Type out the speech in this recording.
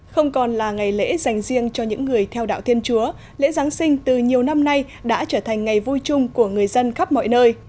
không còn là ngày lễ dành riêng cho những người theo đạo thiên chúa lễ giáng sinh từ nhiều năm nay đã trở thành ngày vui chung của người dân khắp mọi nơi